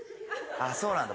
あっそうなんだ。